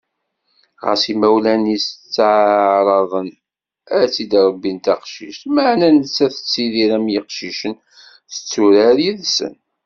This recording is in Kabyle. Ɣas imawlan-is ttaεraḍen ad tt-id-rebbin d taqcict, meɛna nettat tettidir am yiqcicen: tetturar yid-sen.